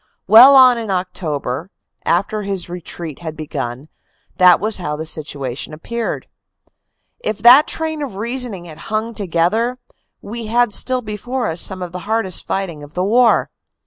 Well on in October, after his retreat had begun, that was how the situation appeared. If that train of reasoning had hung together, we had still before us some of the hardest fight ing of the war.